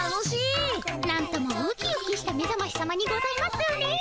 なんともウキウキしためざましさまにございますね。